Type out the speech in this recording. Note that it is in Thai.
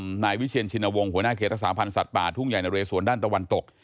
หัวหน้าวิเชียนชินวงหัวหน้าเขตศาสตร์พันธ์สัตว์ป่าทุ่งใหญ่นรสวนด้านตะวันตก